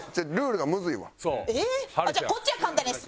じゃあこっちは簡単です。